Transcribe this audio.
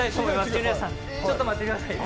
ジュニアさん、ちょっと待ってくださいね。